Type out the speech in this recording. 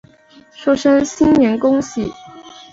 说声新年恭喜